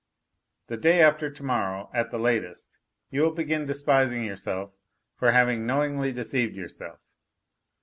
The day after to morrow, at the latest, you will begin despising yourself for having knowingly deceived yourself.